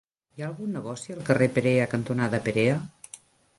Hi ha algun negoci al carrer Perea cantonada Perea?